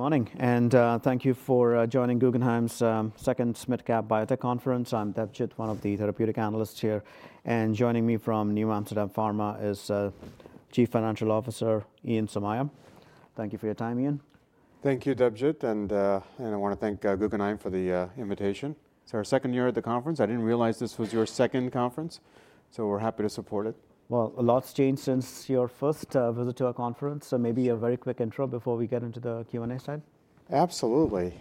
Good morning, and thank you for joining Guggenheim's second SMID Cap Biotech Conference. I'm Debjit, one of the therapeutic analysts here, and joining me from NewAmsterdam Pharma is Chief Financial Officer Ian Somaiya. Thank you for your time, Ian. Thank you, Debjit, and I want to thank Guggenheim for the invitation. It's our second year at the conference. I didn't realize this was your second conference, so we're happy to support it. A lot's changed since your first visit to our conference, so maybe a very quick intro before we get into the Q&A side. Absolutely.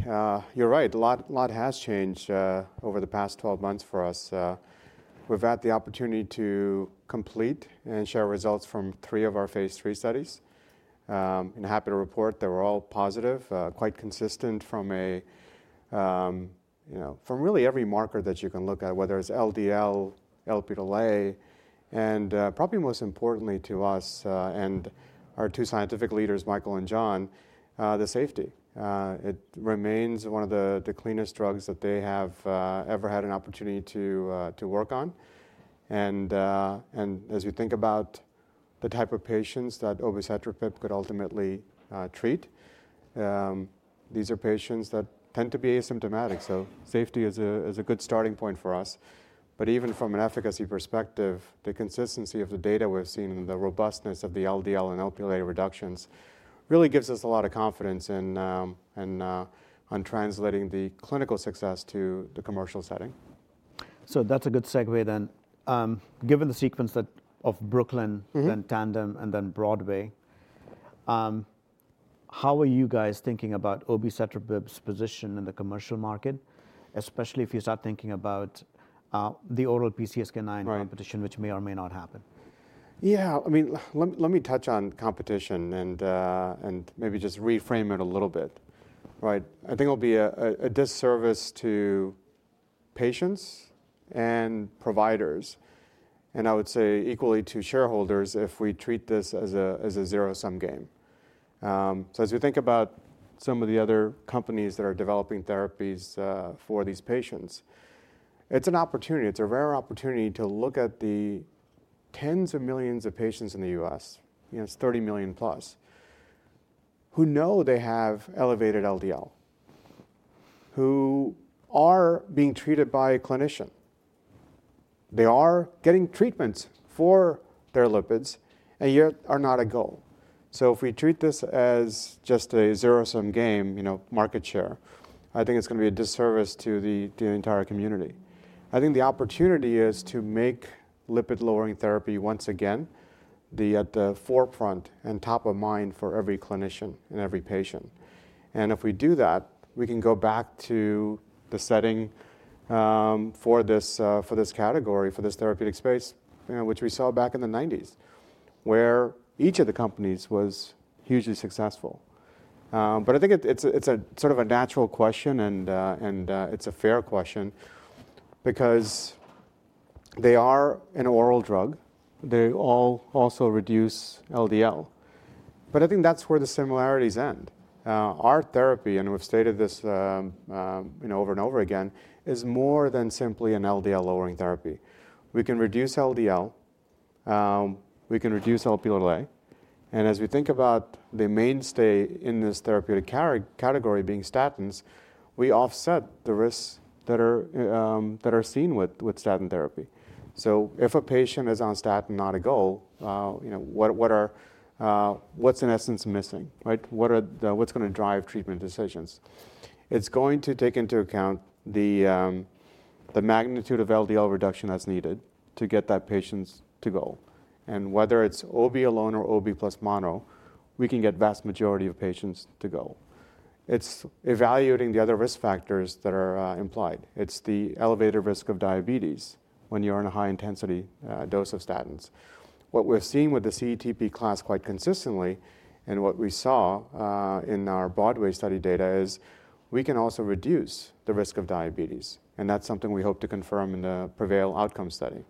You're right, a lot has changed over the past 12 months for us. We've had the opportunity to complete and share results from three of our Phase III studies, and happy to report they were all positive, quite consistent from really every marker that you can look at, whether it's LDL, Lp(a), and probably most importantly to us and our two scientific leaders, Michael and John, the safety. It remains one of the cleanest drugs that they have ever had an opportunity to work on. And as you think about the type of patients that obicetrapib could ultimately treat, these are patients that tend to be asymptomatic, so safety is a good starting point for us. But even from an efficacy perspective, the consistency of the data we've seen and the robustness of the LDL and Lp(a) reductions really gives us a lot of confidence in translating the clinical success to the commercial setting. So that's a good segue then. Given the sequence of BROOKLYN, then TANDEM, and then BROADWAY, how are you guys thinking about obicetrapib's position in the commercial market, especially if you start thinking about the oral PCSK9 competition, which may or may not happen? Yeah, I mean, let me touch on competition and maybe just reframe it a little bit. I think it'll be a disservice to patients and providers, and I would say equally to shareholders if we treat this as a zero-sum game. So as we think about some of the other companies that are developing therapies for these patients, it's an opportunity. It's a rare opportunity to look at the tens of millions of patients in the U.S., 30 million plus, who know they have elevated LDL, who are being treated by a clinician. They are getting treatments for their lipids, and yet are not at goal. So if we treat this as just a zero-sum game, market share, I think it's going to be a disservice to the entire community. I think the opportunity is to make lipid-lowering therapy once again at the forefront and top of mind for every clinician and every patient, and if we do that, we can go back to the setting for this category, for this therapeutic space, which we saw back in the 1990s, where each of the companies was hugely successful, but I think it's sort of a natural question, and it's a fair question, because they are an oral drug. They all also reduce LDL, but I think that's where the similarities end. Our therapy, and we've stated this over and over again, is more than simply an LDL-lowering therapy. We can reduce LDL, we can reduce Lp(a), and as we think about the mainstay in this therapeutic category being statins, we offset the risks that are seen with statin therapy. So if a patient is on statin, not at goal, what's in essence missing? What's going to drive treatment decisions? It's going to take into account the magnitude of LDL reduction that's needed to get that patient to goal. And whether it's OB alone or OB plus mono, we can get the vast majority of patients to goal. It's evaluating the other risk factors that are implied. It's the elevated risk of diabetes when you're on a high-intensity dose of statins. What we're seeing with the CETP class quite consistently, and what we saw in our BROADWAY study data, is we can also reduce the risk of diabetes, and that's something we hope to confirm in the PREVAIL outcome study.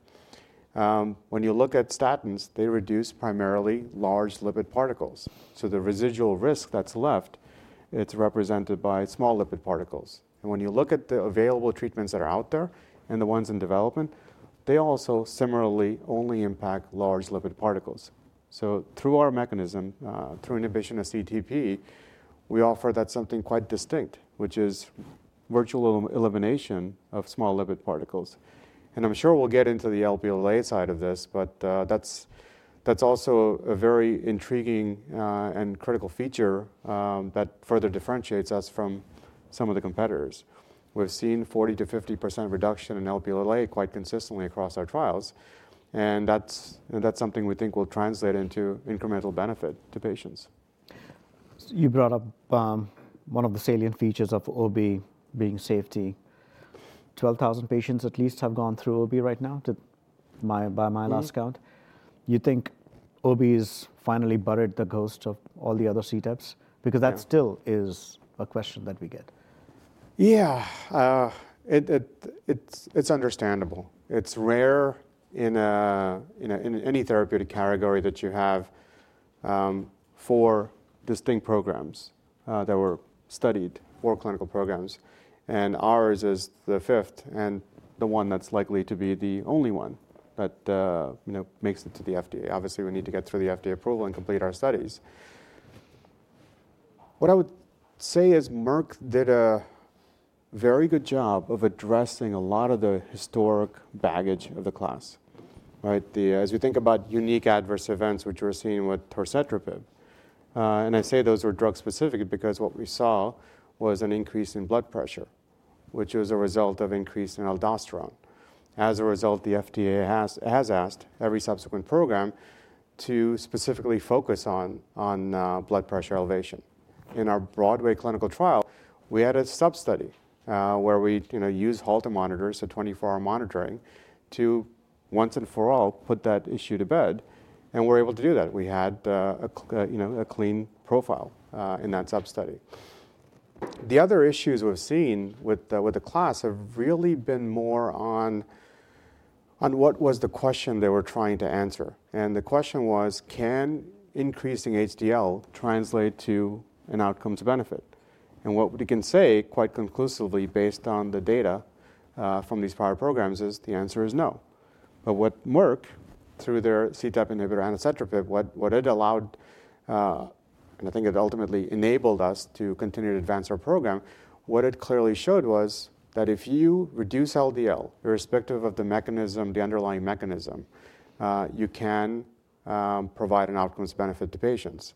When you look at statins, they reduce primarily large lipid particles, so the residual risk that's left, it's represented by small lipid particles. When you look at the available treatments that are out there and the ones in development, they also similarly only impact large lipid particles. So through our mechanism, through inhibition of CETP, we offer that something quite distinct, which is virtual elimination of small lipid particles. And I'm sure we'll get into the Lp(a) side of this, but that's also a very intriguing and critical feature that further differentiates us from some of the competitors. We've seen 40%-50% reduction in Lp(a) quite consistently across our trials, and that's something we think will translate into incremental benefit to patients. You brought up one of the salient features of OB being safety. 12,000 patients at least have gone through OB right now, by my last count. You think OB has finally exorcised the ghost of all the other CETPs? Because that still is a question that we get. Yeah, it's understandable. It's rare in any therapeutic category that you have four distinct programs that were studied, four clinical programs, and ours is the fifth and the one that's likely to be the only one that makes it to the FDA. Obviously, we need to get through the FDA approval and complete our studies. What I would say is Merck did a very good job of addressing a lot of the historic baggage of the class. As you think about unique adverse events, which we're seeing with Torcetrapib, and I say those are drug-specific because what we saw was an increase in blood pressure, which was a result of an increase in aldosterone. As a result, the FDA has asked every subsequent program to specifically focus on blood pressure elevation. In our BROADWAY clinical trial, we had a sub-study where we used Holter monitors, so 24-hour monitoring, to once and for all put that issue to bed, and we're able to do that. We had a clean profile in that sub-study. The other issues we've seen with the class have really been more on what was the question they were trying to answer. And the question was, can increasing HDL translate to an outcome to benefit? And what we can say quite conclusively based on the data from these prior programs is the answer is no. But what Merck, through their CETP inhibitor, Anacetrapib, what it allowed, and I think it ultimately enabled us to continue to advance our program, what it clearly showed was that if you reduce LDL irrespective of the mechanism, the underlying mechanism, you can provide an outcome to benefit to patients.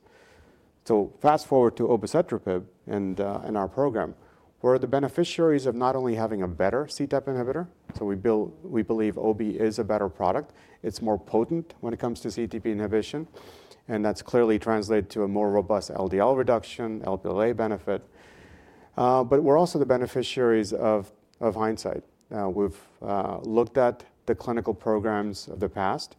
Fast forward to obicetrapib and our program. We're the beneficiaries of not only having a better CETP inhibitor, so we believe OB is a better product. It's more potent when it comes to CETP inhibition, and that's clearly translated to a more robust LDL reduction, Lp(a) benefit. But we're also the beneficiaries of hindsight. We've looked at the clinical programs of the past,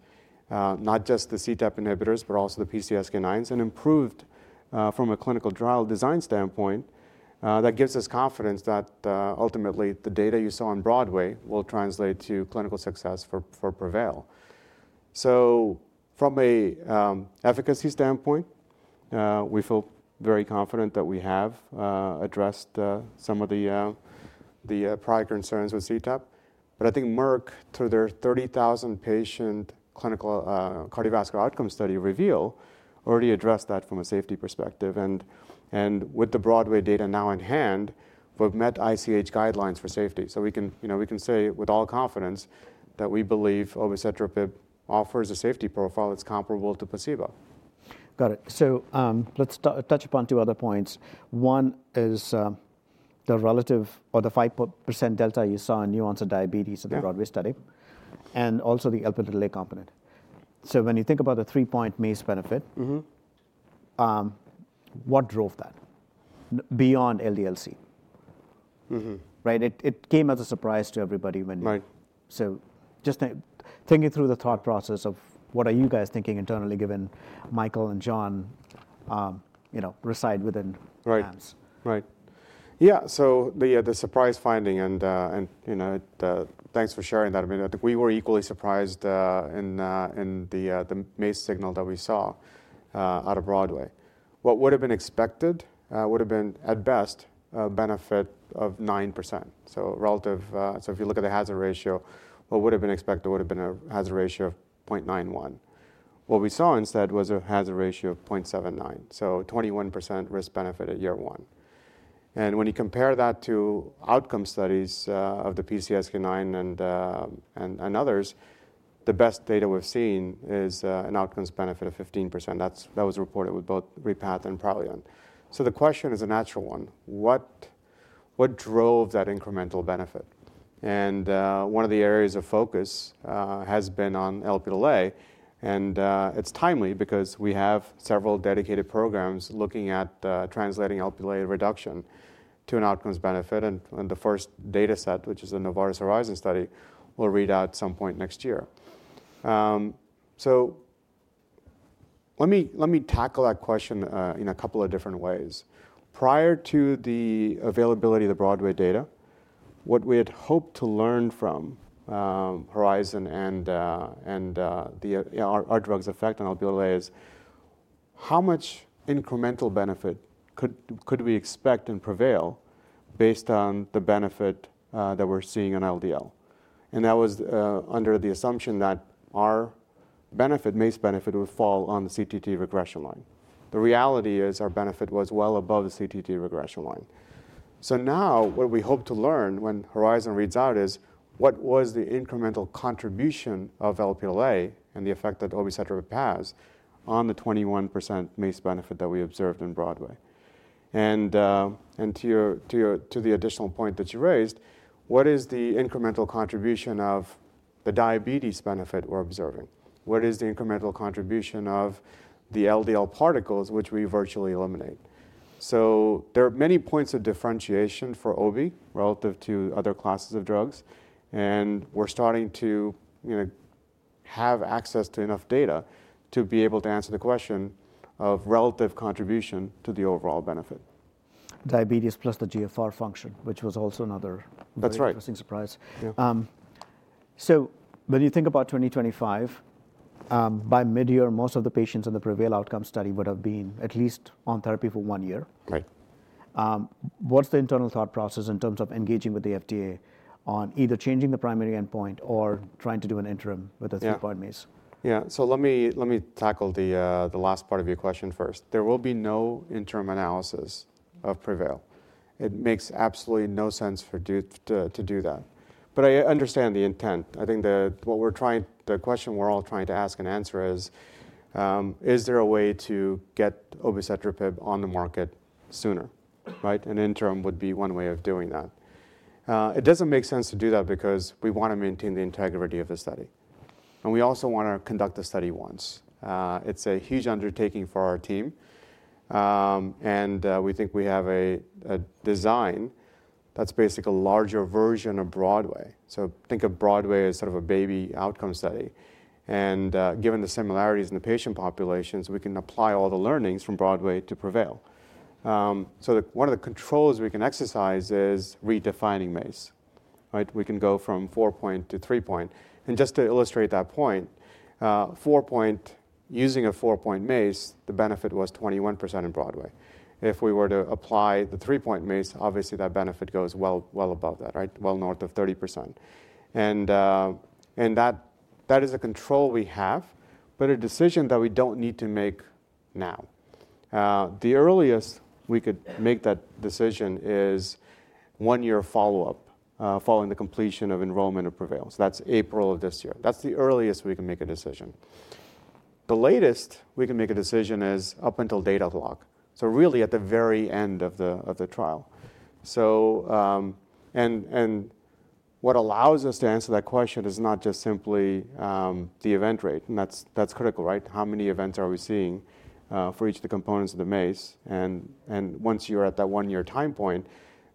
not just the CETP inhibitors, but also the PCSK9s, and improved from a clinical trial design standpoint. That gives us confidence that ultimately the data you saw on BROADWAY will translate to clinical success for PREVAIL. So from an efficacy standpoint, we feel very confident that we have addressed some of the prior concerns with CETP. But I think Merck, through their 30,000-patient clinical cardiovascular outcome study REVEAL, already addressed that from a safety perspective. With the Broadway data now in hand, we've met ICH guidelines for safety. We can say with all confidence that we believe obicetrapib offers a safety profile that's comparable to placebo. Got it. So let's touch upon two other points. One is the relative or the 5% delta you saw in new-onset diabetes in the BROADWAY study, and also the Lp(a) component. So when you think about the three-point MACE benefit, what drove that beyond LDL-C? It came as a surprise to everybody. So just thinking through the thought process of what are you guys thinking internally, given Michael and John reside within Guggenheim's? Right. Yeah, so the surprise finding, and thanks for sharing that. I mean, I think we were equally surprised in the MACE signal that we saw out of BROADWAY. What would have been expected would have been, at best, a benefit of 9%. So if you look at the hazard ratio, what would have been expected would have been a hazard ratio of 0.91. What we saw instead was a hazard ratio of 0.79, so 21% risk-benefit at year one. And when you compare that to outcome studies of the PCSK9 and others, the best data we've seen is an outcome benefit of 15%. That was reported with both Repatha and Praluent. So the question is a natural one. What drove that incremental benefit? One of the areas of focus has been on Lp(a), and it's timely because we have several dedicated programs looking at translating Lp(a) reduction to an outcome benefit, and the first data set, which is the Novartis Horizon study, will read out at some point next year. Let me tackle that question in a couple of different ways. Prior to the availability of the Broadway data, what we had hoped to learn from Horizon and our drug's effect on Lp(a) is how much incremental benefit could we expect and PREVAIL based on the benefit that we're seeing on LDL? That was under the assumption that our benefit, MACE benefit, would fall on the CTT regression line. The reality is our benefit was well above the CTT regression line. So now what we hope to learn when HORIZON reads out is what was the incremental contribution of Lp(a) and the effect that obicetrapib has on the 21% MACE benefit that we observed in BROADWAY? And to the additional point that you raised, what is the incremental contribution of the diabetes benefit we're observing? What is the incremental contribution of the LDL particles, which we virtually eliminate? So there are many points of differentiation for OB relative to other classes of drugs, and we're starting to have access to enough data to be able to answer the question of relative contribution to the overall benefit. Diabetes plus the GFR function, which was also another interesting surprise. That's right. When you think about 2025, by mid-year, most of the patients in the PREVAIL outcome study would have been at least on therapy for one year. What's the internal thought process in terms of engaging with the FDA on either changing the primary endpoint or trying to do an interim with a three-point MACE? Yeah, so let me tackle the last part of your question first. There will be no interim analysis of PREVAIL. It makes absolutely no sense to do that. But I understand the intent. I think what we're trying, the question we're all trying to ask and answer is, is there a way to get obicetrapib on the market sooner? An interim would be one way of doing that. It doesn't make sense to do that because we want to maintain the integrity of the study, and we also want to conduct the study once. It's a huge undertaking for our team, and we think we have a design that's basically a larger version of BROADWAY. So think of BROADWAY as sort of a baby outcome study, and given the similarities in the patient populations, we can apply all the learnings from BROADWAY to PREVAIL. One of the controls we can exercise is redefining MACE. We can go from four-point to three-point. Just to illustrate that point, using a four-point MACE, the benefit was 21% in BROADWAY. If we were to apply the three-point MACE, obviously that benefit goes well above that, well north of 30%. That is a control we have, but a decision that we don't need to make now. The earliest we could make that decision is one-year follow-up following the completion of enrollment of PREVAIL. That's April of this year. That's the earliest we can make a decision. The latest we can make a decision is up until data lock, so really at the very end of the trial. What allows us to answer that question is not just simply the event rate, and that's critical. How many events are we seeing for each of the components of the MACE? And once you're at that one-year time point,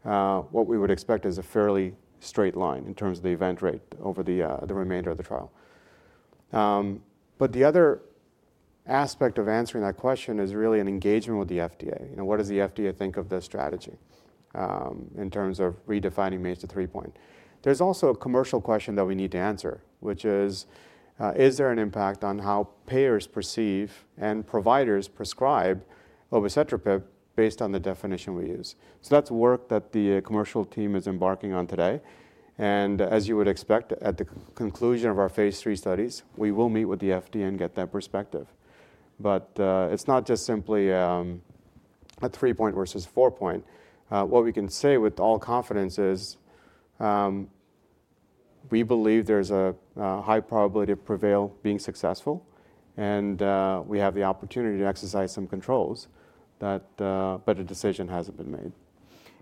what we would expect is a fairly straight line in terms of the event rate over the remainder of the trial. But the other aspect of answering that question is really an engagement with the FDA. What does the FDA think of this strategy in terms of redefining MACE to three-point? There's also a commercial question that we need to answer, which is, is there an impact on how payers perceive and providers prescribe Obicetrapib based on the definition we use? So that's work that the commercial team is embarking on today. And as you would expect, at the conclusion of our Phase III studies, we will meet with the FDA and get that perspective. But it's not just simply a three-point versus four-point. What we can say with all confidence is we believe there's a high probability of PREVAIL being successful, and we have the opportunity to exercise some controls, but a decision hasn't been made.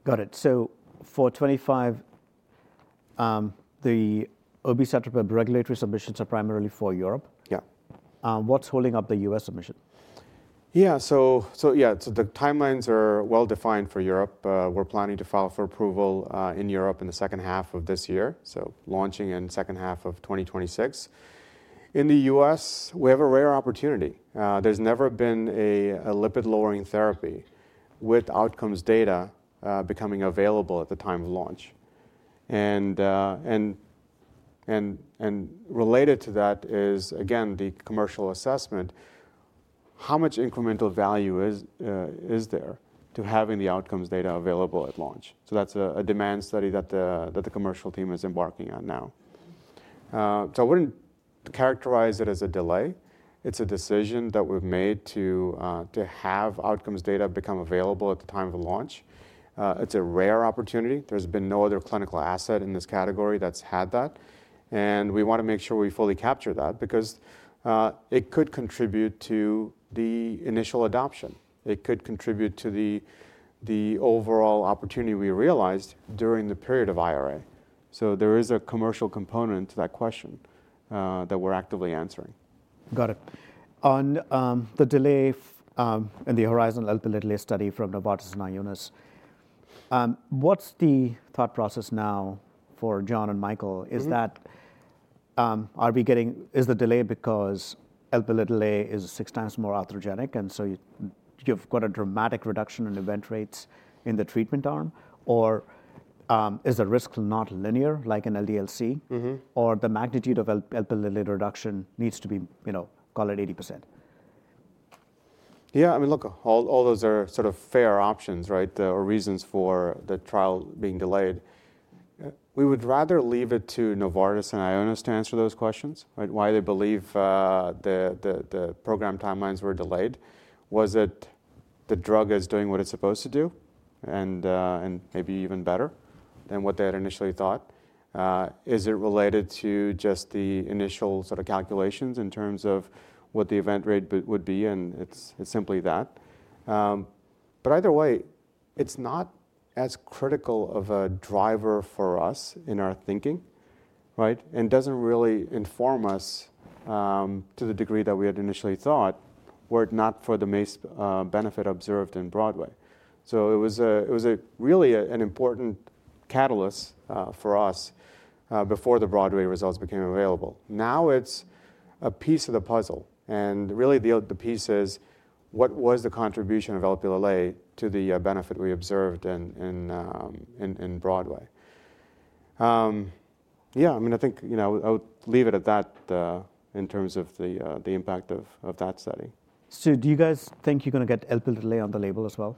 Got it. So for 2025, the Obicetrapib regulatory submissions are primarily for Europe. What's holding up the U.S. submission? Yeah, so yeah, so the timelines are well defined for Europe. We're planning to file for approval in Europe in the second half of this year, so launching in the second half of 2026. In the U.S., we have a rare opportunity. There's never been a lipid-lowering therapy with outcomes data becoming available at the time of launch. And related to that is, again, the commercial assessment. How much incremental value is there to having the outcomes data available at launch? So that's a demand study that the commercial team is embarking on now. So I wouldn't characterize it as a delay. It's a decision that we've made to have outcomes data become available at the time of launch. It's a rare opportunity. There's been no other clinical asset in this category that's had that. And we want to make sure we fully capture that because it could contribute to the initial adoption. It could contribute to the overall opportunity we realized during the period of IRA. So there is a commercial component to that question that we're actively answering. Got it. On the delay in the HORIZON Lp(a) study from Novartis and Ionis, what's the thought process now for John and Michael? Is the delay because Lp(a) is six times more atherogenic, and so you've got a dramatic reduction in event rates in the treatment arm, or is the risk not linear like in LDL-C, or the magnitude of Lp(a) reduction needs to be, call it 80%? Yeah, I mean, look, all those are sort of fair options or reasons for the trial being delayed. We would rather leave it to Novartis and Ionis to answer those questions, why they believe the program timelines were delayed. Was it the drug is doing what it's supposed to do and maybe even better than what they had initially thought? Is it related to just the initial sort of calculations in terms of what the event rate would be, and it's simply that? But either way, it's not as critical of a driver for us in our thinking and doesn't really inform us to the degree that we had initially thought were it not for the MACE benefit observed in BROADWAY. So it was really an important catalyst for us before the BROADWAY results became available. Now it's a piece of the puzzle. Really the piece is, what was the contribution of Lp(a) to the benefit we observed in BROADWAY? Yeah, I mean, I think I would leave it at that in terms of the impact of that study. So do you guys think you're going to get Lp(a) on the label as well?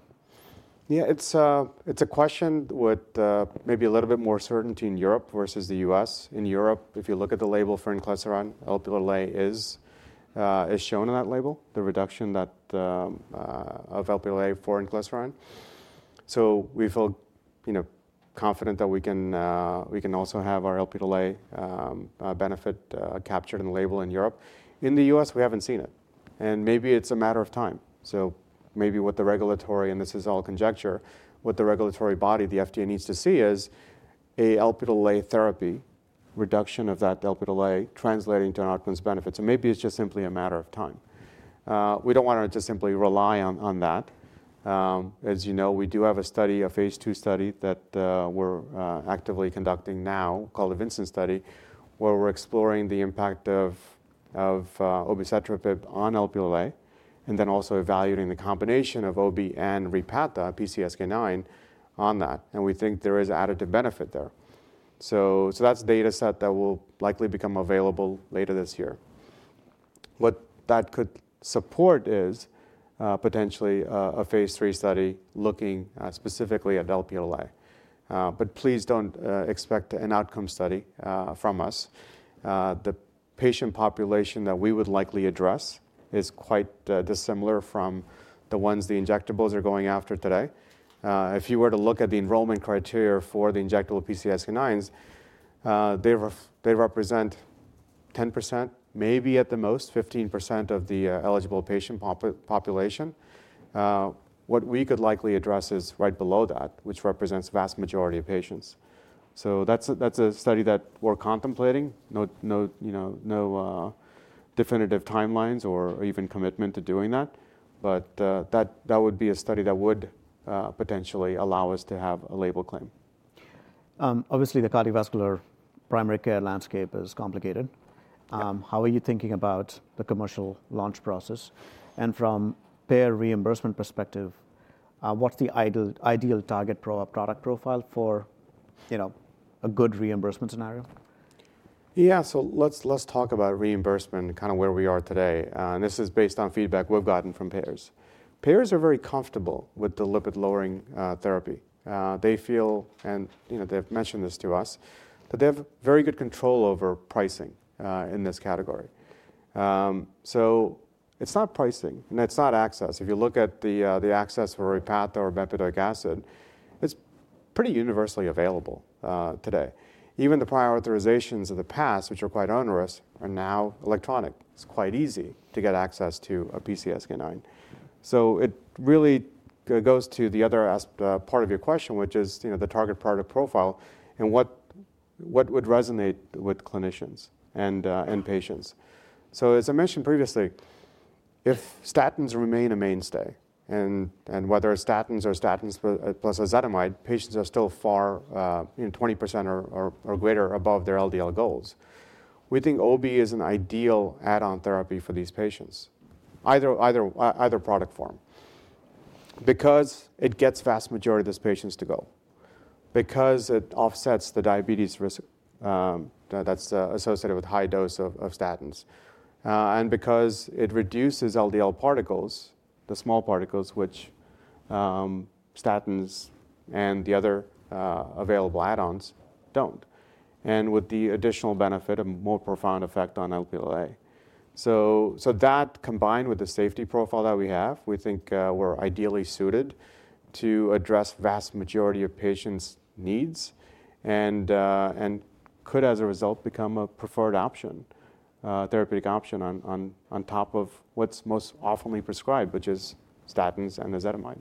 Yeah, it's a question with maybe a little bit more certainty in Europe versus the U.S. In Europe, if you look at the label for Inclisiran, Lp(a) is shown on that label, the reduction of Lp(a) for Inclisiran. So we feel confident that we can also have our Lp(a) benefit captured in the label in Europe. In the U.S., we haven't seen it, and maybe it's a matter of time. So maybe with the regulatory, and this is all conjecture, what the regulatory body, the FDA, needs to see is a Lp(a) therapy, reduction of that Lp(a) translating to an outcomes benefit. So maybe it's just simply a matter of time. We don't want to just simply rely on that. As you know, we do have a study, a Phase II study that we're actively conducting now called the Vincent study, where we're exploring the impact of obicetrapib on Lp(a), and then also evaluating the combination of OB and Repatha, PCSK9, on that. And we think there is additive benefit there. So that's a data set that will likely become available later this year. What that could support is potentially a Phase III study looking specifically at Lp(a). But please don't expect an outcome study from us. The patient population that we would likely address is quite dissimilar from the ones the injectables are going after today. If you were to look at the enrollment criteria for the injectable PCSK9s, they represent 10%, maybe at the most 15% of the eligible patient population. What we could likely address is right below that, which represents the vast majority of patients. So that's a study that we're contemplating. No definitive timelines or even commitment to doing that, but that would be a study that would potentially allow us to have a label claim. Obviously, the cardiovascular primary care landscape is complicated. How are you thinking about the commercial launch process? And from payer reimbursement perspective, what's the ideal target product profile for a good reimbursement scenario? Yeah, so let's talk about reimbursement and kind of where we are today and this is based on feedback we've gotten from payers. Payers are very comfortable with the lipid-lowering therapy. They feel, and they've mentioned this to us, that they have very good control over pricing in this category, so it's not pricing, and it's not access. If you look at the access for Repatha, or bempedoic acid, it's pretty universally available today. Even the prior authorizations of the past, which are quite onerous, are now electronic. It's quite easy to get access to a PCSK9, so it really goes to the other part of your question, which is the target product profile and what would resonate with clinicians and patients. So as I mentioned previously, if statins remain a mainstay, and whether it's statins or statins plus ezetimibe, patients are still far 20% or greater above their LDL goals, we think OB is an ideal add-on therapy for these patients, either product form, because it gets the vast majority of these patients to go, because it offsets the diabetes risk that's associated with high dose of statins, and because it reduces LDL particles, the small particles, which statins and the other available add-ons don't, and with the additional benefit of more profound effect on Lp(a). So that combined with the safety profile that we have, we think we're ideally suited to address the vast majority of patients' needs and could, as a result, become a preferred option, therapeutic option on top of what's most often prescribed, which is statins and ezetimibe.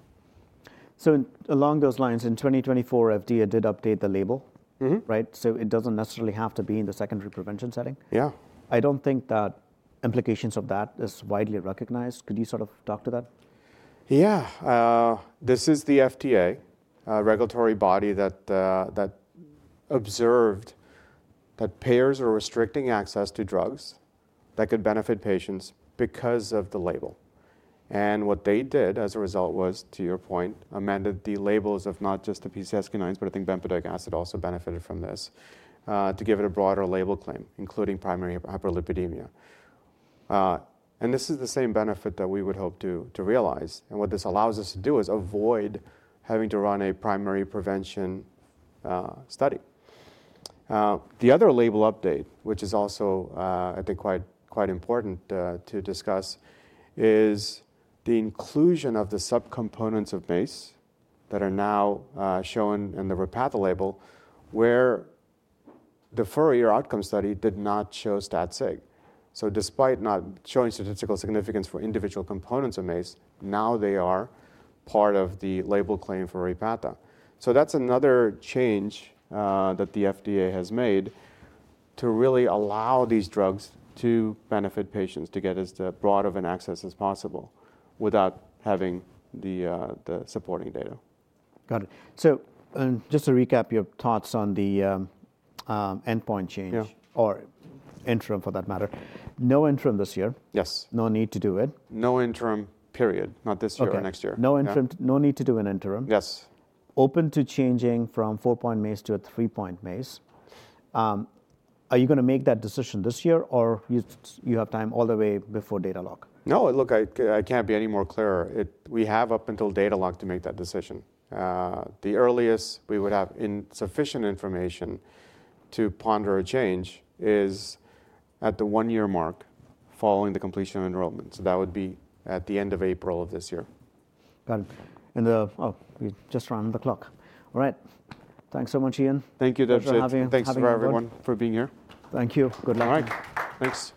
Along those lines, in 2024, FDA did update the label, right? It doesn't necessarily have to be in the secondary prevention setting. Yeah. I don't think that implications of that are widely recognized. Could you sort of talk to that? Yeah. This is the FDA, a regulatory body that observed that payers are restricting access to drugs that could benefit patients because of the label, and what they did as a result was, to your point, amended the labels of not just the PCSK9s, but I think bempedoic acid also benefited from this to give it a broader label claim, including primary hyperlipidemia, and this is the same benefit that we would hope to realize, and what this allows us to do is avoid having to run a primary prevention study. The other label update, which is also, I think, quite important to discuss, is the inclusion of the subcomponents of MACE that are now shown in the Repatha label, where the four-year outcome study did not show stat-sig, so despite not showing statistical significance for individual components of MACE, now they are part of the label claim for Repatha. So that's another change that the FDA has made to really allow these drugs to benefit patients to get as broad of an access as possible without having the supporting data. Got it. So just to recap your thoughts on the endpoint change or interim for that matter, no interim this year. Yes. No need to do it. No interim, period. Not this year or next year. No interim, no need to do an interim. Yes. Open to changing from four-point MACE to a three-point MACE. Are you going to make that decision this year, or do you have time all the way before data lock? No, look, I can't be any more clear. We have up until data lock to make that decision. The earliest we would have insufficient information to ponder a change is at the one-year mark following the completion of enrollment. So that would be at the end of April of this year. Got it. And we just ran the clock. All right. Thanks so much, Ian. Thank you, Debjit. Thanks for everyone for being here. Thank you. Good luck. All right. Thanks.